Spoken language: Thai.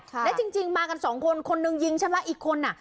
และจริงมากัน๒คนคนหนึ่งยิงฉันและอีกคนอ่ะ